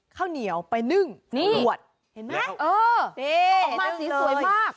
ข้าวเหนียวไปนึ่งขวดเห็นไหมเออออกมาสีสวยมาก